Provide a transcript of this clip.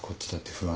不安？